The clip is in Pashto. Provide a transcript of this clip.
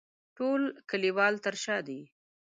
ټول کلیوال تر شا دي.